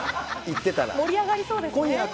盛り上がりそうですね。